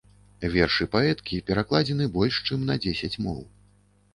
Вершы паэткі перакладзены больш чым на дзесяць моў.